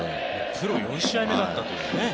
プロ４試合目だったというね。